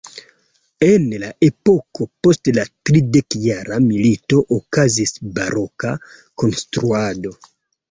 En la epoko post la tridekjara milito okazis baroka konstruado.